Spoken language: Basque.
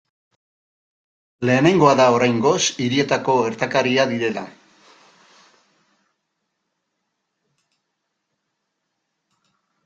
Lehenengoa da oraingoz hirietako gertakaria direla.